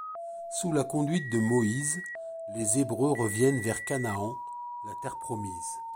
Sous la conduite de Moïse, les Hébreux reviennent vers Canaan, la Terre promise.